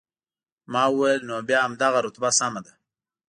ما وویل، نو بیا همدغه رتبه سمه ده.